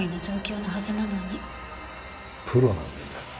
プロなんでね。